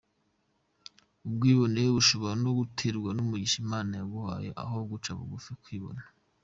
Ubwibone bushobora no guterwa n’umugisha Imana yaguhaye aho guca bugufi ukibona.